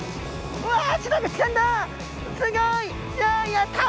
やった！